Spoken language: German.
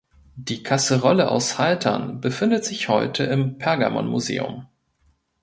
Die Kasserolle aus Haltern befindet sich heute im Pergamonmuseum.